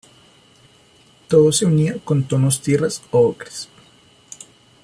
Todo se unía con tonos tierras o ocres.